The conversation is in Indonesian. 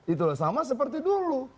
itu sama seperti dulu